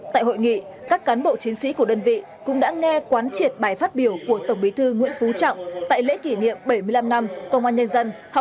tại hội nghị các cán bộ chiến sĩ của đơn vị cũng đã nghe quán triệt bài phát biểu của tổng bí thư nguyễn phú trọng